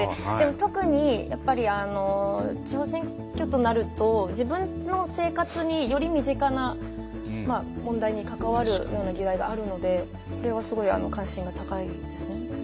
特に、地方選挙となると自分の生活により身近な問題にかかわるようなきらいがあるのでこれは、すごい関心が高いですね。